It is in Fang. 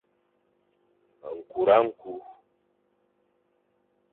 Nkura nku.